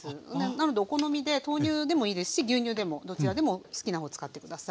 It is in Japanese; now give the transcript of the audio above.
なのでお好みで豆乳でもいいですし牛乳でもどちらでも好きなほう使って下さい。